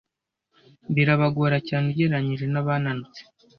birabagora cyane ugereranyije n'abananutse